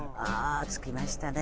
着きましたね。